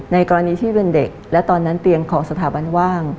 กรณีที่เป็นเด็กและตอนนั้นเตียงของสถาบันว่าง